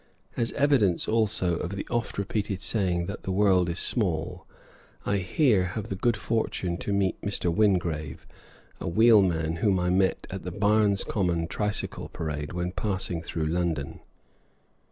As evidence, also, of the oft repeated saying that "the world is small," I here have the good fortune to meet Mr. Wingrave, a wheelman whom I met at the Barnes Common tricycle parade when passing through London.